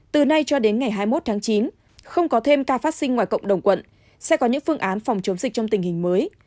từ nay cho đến ngày hai mươi một tháng chín không có thêm ca phát sinh ngoài cộng đồng quận sẽ có những phương án phòng chống dịch trong tình hình mới